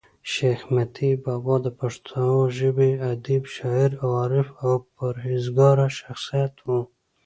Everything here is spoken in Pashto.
شېخ متي بابا دپښتو ژبي ادیب، شاعر، عارف او پر هېزګاره شخصیت وو.